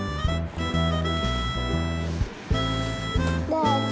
どうぞ。